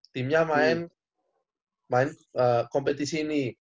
timnya main kompetisi ini